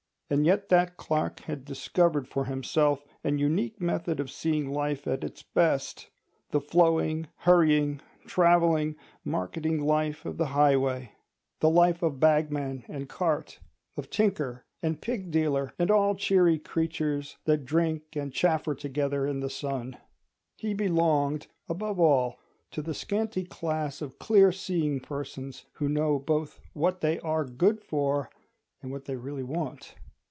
And yet that clerk had discovered for himself an unique method of seeing Life at its best, the flowing, hurrying, travelling, marketing Life of the Highway; the life of bagman and cart, of tinker, and pig dealer, and all cheery creatures that drink and chaffer together in the sun. He belonged, above all, to the scanty class of clear seeing persons who know both what they are good for and what they really want.